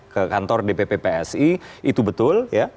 ke kantor dpp psi itu betul